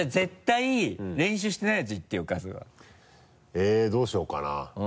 えぇどうしようかな？